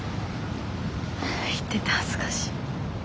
言ってて恥ずかしい。